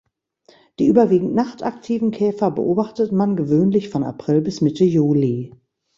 Die überwiegend nachtaktiven Käfer beobachtet man gewöhnlich von April bis Mitte Juli.